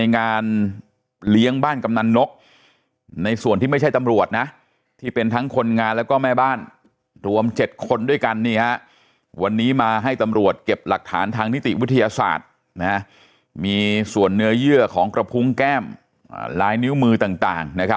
ในการกระทำของเขา